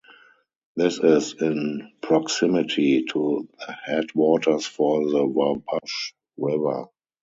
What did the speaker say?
This is in proximity to the head waters for the Wabash River.